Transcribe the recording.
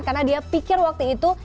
karena dia pikir waktu itu